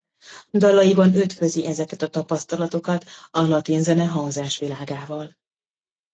Dalaiban ötvözi ezeket a tapasztalatokat a latin zene hangzásvilágával.